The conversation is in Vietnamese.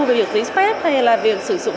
về việc dưới phép hay là việc sử dụng